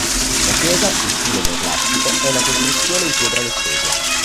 La chiesa, in stile neoclassico, è una costruzione in pietra leccese.